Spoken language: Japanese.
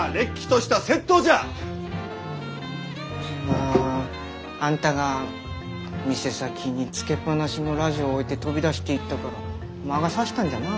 ああんたが店先につけっ放しのラジオ置いて飛び出していったから魔が差したんじゃなあ。